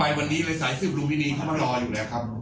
วันนี้เลยสายสืบลุมพินีเขามารออยู่แล้วครับ